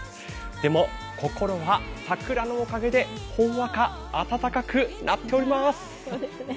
でも心は桜のおかげでほんわか温かくなっております。